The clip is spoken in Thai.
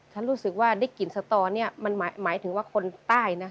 ฉันรู้สึกว่าได้กลิ่นสตอเนี่ยมันหมายถึงว่าคนใต้นะ